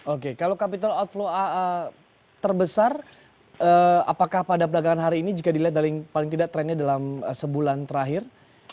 oke kalau capital outflow terbesar apakah pada perdagangan hari ini jika dilihat dari paling tidak trennya dalam sebulan terakhir